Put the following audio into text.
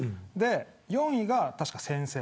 ４位が確か先生。